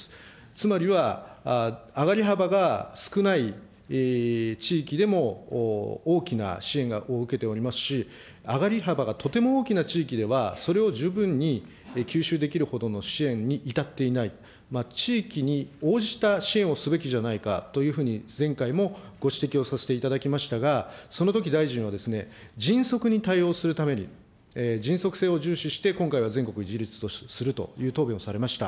つまりは、上り幅が少ない地域でも大きな支援額を受けておりますし、上り幅がとても大きな地域では、それを十分に吸収できるほどの支援に至っていない、地域に応じた支援をすべきじゃないかというふうに前回もご指摘をさせていただきましたが、そのとき大臣はですね、迅速に対応するために、迅速性を重視して、今回は全国一律とするという答弁をされました。